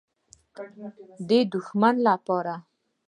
_د دښمن له پاره.